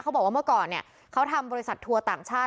บอกว่าเมื่อก่อนเนี่ยเขาทำบริษัททัวร์ต่างชาติ